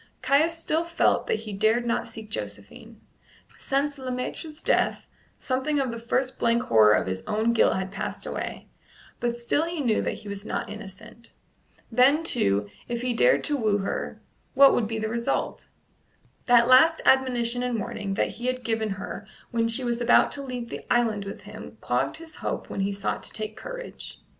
Caius still felt that he dared not seek Josephine. Since Le Maître's death something of the first blank horror of his own guilt had passed away, but still he knew that he was not innocent. Then, too, if he dared to woo her, what would be the result? That last admonition and warning that he had given her when she was about to leave the island with him clogged his hope when he sought to take courage.